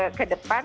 saya rasa kejelas